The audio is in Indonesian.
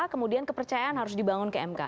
kemudian kepercayaan harus dibangun ke mk